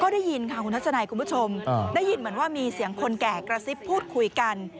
ได้ยินค่ะคุณทัศนัยคุณผู้ชมได้ยินเหมือนว่ามีเสียงคนแก่กระซิบพูดคุยกัน